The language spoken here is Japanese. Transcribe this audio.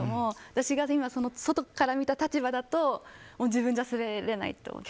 私が今、外から見た立場だと自分じゃ滑れないと思う。